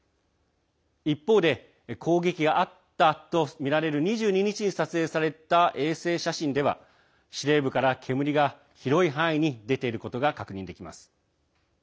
一方で攻撃があったとみられる２２日に撮影された衛星写真では司令部から煙が広い範囲に出ていることが確認できます。